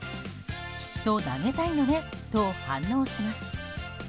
きっと投げたいのねと反応します。